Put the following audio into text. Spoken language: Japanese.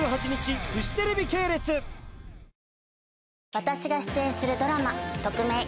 私が出演するドラマ『トクメイ！